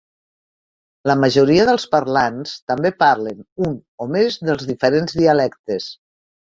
La majoria dels parlants també parlen un o més dels diferents dialectes.